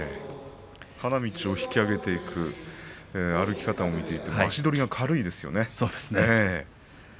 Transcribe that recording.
花道を引き揚げていく歩き方を見ていても足取りが軽いですね。